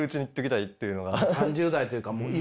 今３０代というかもう今。